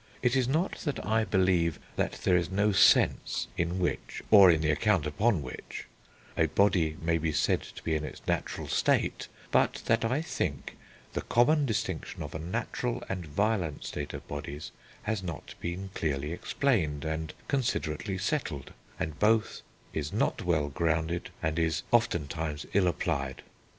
It is not, that I believe, that there is no sense in which, or in the account upon which, a body may he said to be in its natural state; but that I think the common distinction of a natural and violent state of bodies has not been clearly explained and considerately settled, and both is not well grounded, and is oftentimes ill applied.